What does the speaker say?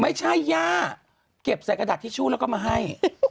ไม่ใช่ย่าเก็บใส่กระดาษทิชชู่แล้วก็มาให้